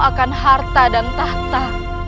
akan harta dan tahta